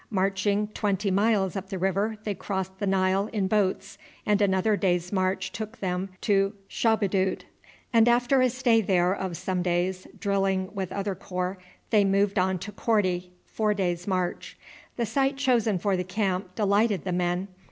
Marching twenty miles up the river they crossed the Nile in boats, and another day's march took them to Shabadud; and after a stay there of some days, drilling with other corps, they moved on to Korti, four days' march. The site chosen for the camp delighted the men.